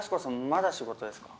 まだ仕事ですか？